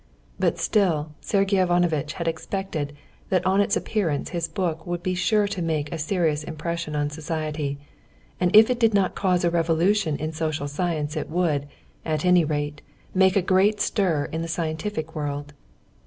But still Sergey Ivanovitch had expected that on its appearance his book would be sure to make a serious impression on society, and if it did not cause a revolution in social science it would, at any rate, make a great stir in the scientific world.